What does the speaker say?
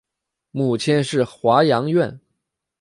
母亲是华阳院。